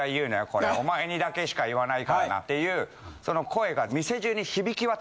これお前にだけしか言わないからなっていうその声が。